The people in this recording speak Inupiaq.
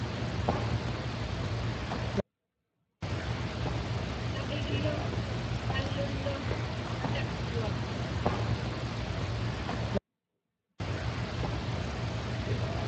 Savigḷu qallunlu kataktuak.